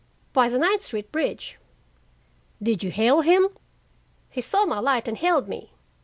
"By the Ninth Street bridge." "Did you hail him?" "He saw my light and hailed me.